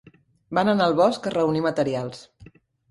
Van anar al bosc a reunir materials.